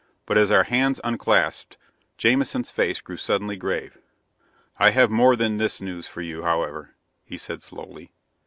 But, as our hands unclasped, Jamison's face grew suddenly grave. "I have more than this news for you, however," he said slowly.